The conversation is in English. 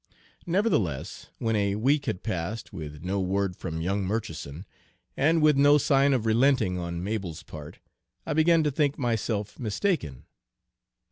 Nevertheless, when a week had passed with no word from young Murchison, and with no sign of relenting on Mabel's part, I began to think myself mistaken.